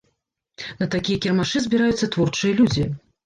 На такія кірмашы збіраюцца творчыя людзі.